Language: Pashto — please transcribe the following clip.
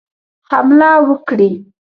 حمله وکړي.